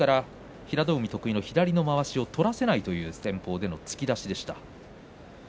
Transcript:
平戸海、得意の左のまわしを取らせないという戦法での突き出しでした。